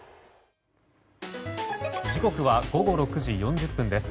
時刻は午後６時４０分です。